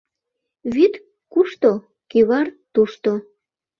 Вӱд кушто — кӱвар тушто.